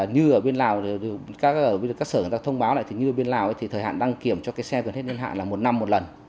như ở bên lào các sở thông báo lại như bên lào thì thời hạn đăng kiểm cho xe gần hết liên hạn là một năm một lần